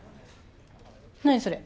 何それ？